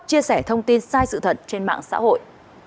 chia sẻ thông tin sai sự thật trên mạng xã hội